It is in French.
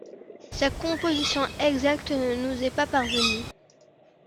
Sa composition exacte ne nous est pas parvenue.